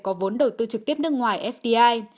có vốn đầu tư trực tiếp nước ngoài fdi